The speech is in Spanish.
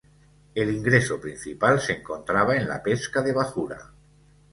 El ingreso principal se encontraba en la pesca de bajura.